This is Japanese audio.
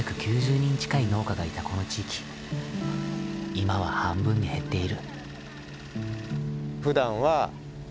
今は半分に減っている。